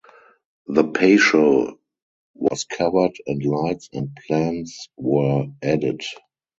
The patio was covered and lights and plans were added.